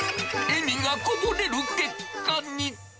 笑みがこぼれる結果に。